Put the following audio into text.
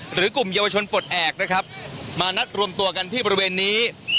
กลุ่มเยาวชนปลดแอบนะครับมานัดรวมตัวกันที่บริเวณนี้